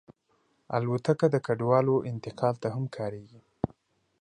الوتکه د کډوالو انتقال ته هم کارېږي.